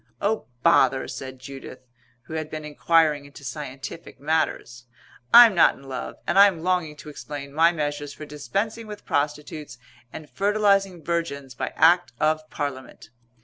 "Oh, bother," said Judith, who had been enquiring into scientific matters, "I'm not in love and I'm longing to explain my measures for dispensing with prostitutes and fertilizing virgins by Act of Parliament."